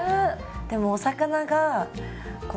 でもお魚がこう